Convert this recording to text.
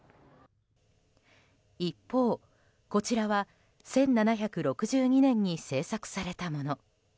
一方、こちらは１７６２年に製作されたもの。